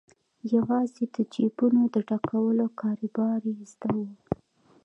یوازې د جیبونو د ډکولو کاروبار یې زده وو.